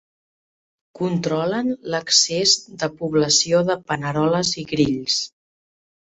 Controlen l'excés de població de paneroles i grills.